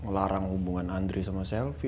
ngelarang hubungan andri sama selvi